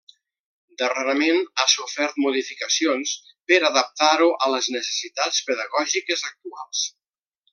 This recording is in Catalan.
Darrerament ha sofert modificacions per adaptar-ho a les necessitats pedagògiques actuals.